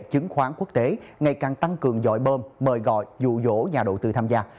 chứng khoán quốc tế ngày càng tăng cường dồi bơm mời gọi dụ dỗ nhà đầu tư tham gia